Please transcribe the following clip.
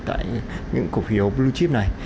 tại những cổ phiếu blue chip này